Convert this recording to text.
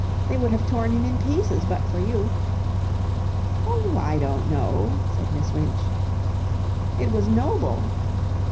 "They would have torn him in pieces but for you." "Oh, I don't know," said Miss Winch. "It was noble."